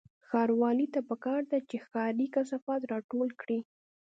ښاروالۍ ته پکار ده چې ښاري کثافات راټول کړي